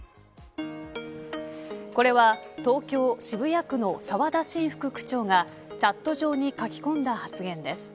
これは、東京・渋谷区の澤田伸副区長がチャット上に書き込んだ発言です。